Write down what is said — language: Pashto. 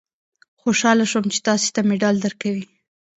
خوشاله شوم چې تاسې ته مډال درکوي.